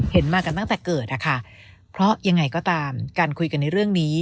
มากันตั้งแต่เกิดอะค่ะเพราะยังไงก็ตามการคุยกันในเรื่องนี้